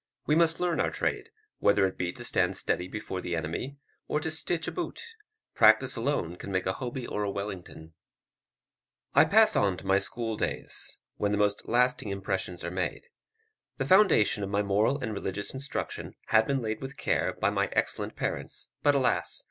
We must learn our trade, whether it be to stand steady before the enemy, or to stitch a boot; practice alone can make a Hoby or a Wellington. I pass on to my school days, when the most lasting impressions are made. The foundation of my moral and religious instruction had been laid with care by my excellent parents; but, alas!